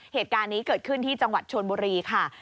เหตุการณ์นี้เกิดขึ้นที่จังหวัดชนบุรีค่ะ